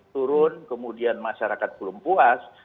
turun kemudian masyarakat belum puas